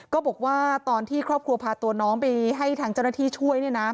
ก็บอกว่าตอนที่ครอบครัวพาตัวน้องไปให้ทางเจ้าหน้าที่ช่วย